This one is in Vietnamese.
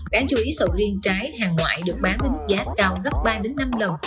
cảm chú ý sầu riêng trái hàng ngoại được bán với mức giá cao gấp ba năm lần